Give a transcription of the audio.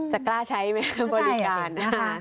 จะกล้าใช้ไหมบริการ